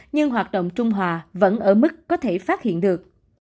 nhưng hoạt động trung hòa vẫn ở mức có thể phát hiện được